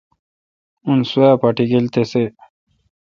اوں سوا پاٹکیل تسی۔